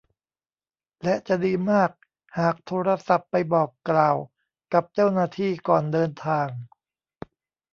และจะดีมากหากโทรศัพท์ไปบอกกล่าวกับเจ้าหน้าที่ก่อนเดินทาง